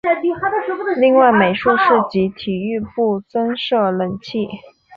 另外美术室及体育部增设冷气。